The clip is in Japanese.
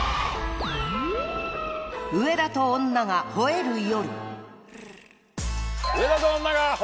『上田と女が吠える夜』！